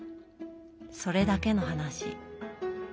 それだけの話。